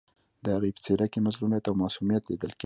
د هغې په څېره کې مظلومیت او معصومیت لیدل کېده